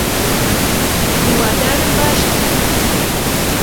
هیوادارم باش بیت